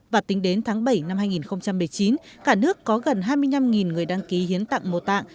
và tính đến tháng bảy năm hai nghìn một mươi chín cả nước có gần hai mươi năm người đăng ký hiến tặng mô tạng